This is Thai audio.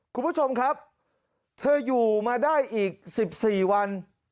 คุณผู้ชมครับเธออยู่มาได้อีก๑๔วัน